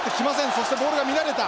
そしてボールが乱れた！